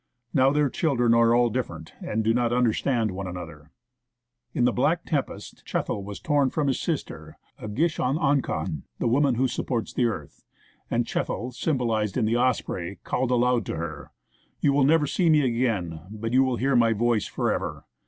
Now their children are all different, and do not understand one another. In the black tempest, Chethl was torn from his sister, Ah gish ahn akhon (the woman who supports the earth), and Chethl (symbolized in the osprey) called aloud to her :' You will never see me again, but you will hear my voice for ever